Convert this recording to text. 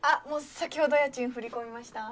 先ほど家賃振り込みました。